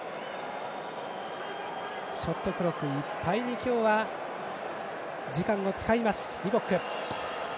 ショットクロックいっぱい今日は時間を使います。